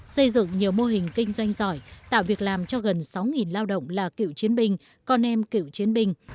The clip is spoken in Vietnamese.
xây dựng nhiều mô hình kinh doanh giỏi tạo việc làm cho gần sáu lao động là cựu chiến binh con em cựu chiến binh